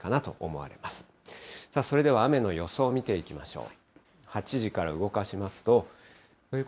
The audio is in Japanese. それでは雨の予想を見ていきましょう。